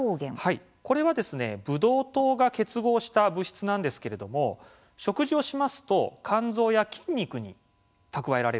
これはですね、ブドウ糖が結合した物質なんですけれども食事をしますと肝臓や筋肉に蓄えられるんですね。